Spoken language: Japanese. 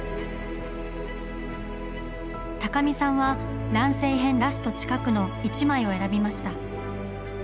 高見さんは「乱世編」ラスト近くの１枚を選びました。